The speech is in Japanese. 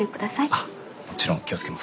あっもちろん気を付けます。